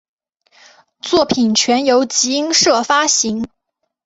作品全由集英社发行。